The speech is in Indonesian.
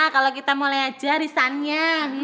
kalau kita mulai aja risannya